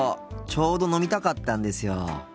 ちょうど飲みたかったんですよ。